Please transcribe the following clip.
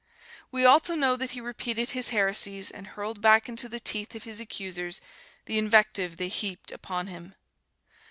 We also know that he repeated his heresies and hurled back into the teeth of his accusers the invective they heaped upon him.